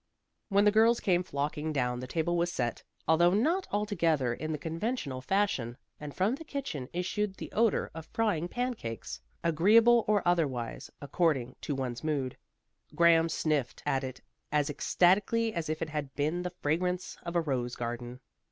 When the girls came flocking down, the table was set, although not altogether in the conventional fashion, and from the kitchen issued the odor of frying pan cakes, agreeable or otherwise, according to one's mood. Graham sniffed it as ecstatically as if it had been the fragrance of a rose garden.